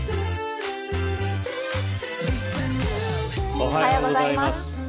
おはようございます。